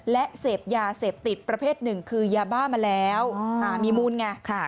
และเสพยาเสพติดประเภทหนึ่งคือยาบ้ามาแล้วมีมูลไง